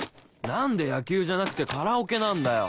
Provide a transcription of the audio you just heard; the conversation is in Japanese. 何で野球じゃなくてカラオケなんだよ。